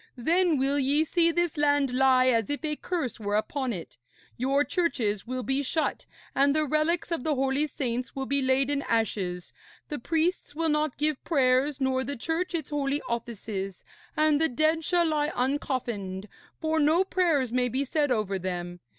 Then will ye see this land lie as if a curse were upon it. Your churches will be shut, and the relics of the holy saints will be laid in ashes, the priests will not give prayers nor the Church its holy offices; and the dead shall lie uncoffined, for no prayers may be said over them.